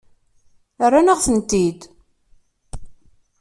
Rran-aɣ-ten-id.